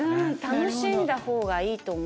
楽しんだほうがいいと思う。